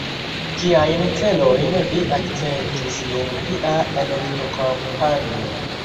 Kiajn celojn vi akcentis dum via elektokampanjo?